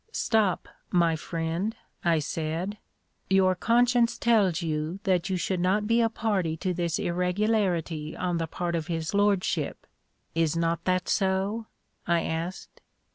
"Stop, my friend," I said; "your conscience tells you that you should not be a party to this irregularity on the part of his lordship, is not that so?" I asked.